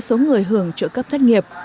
số người hưởng trợ cấp thất nghiệp